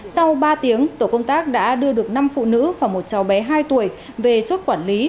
sau ba tiếng tổ công tác đã đưa được năm phụ nữ và một cháu bé hai tuổi về chốt quản lý